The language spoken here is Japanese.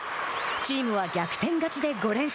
チームは逆転勝ちで５連勝。